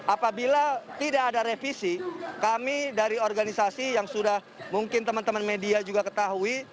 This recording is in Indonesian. apabila tidak ada revisi kami dari organisasi yang sudah mungkin teman teman media juga ketahui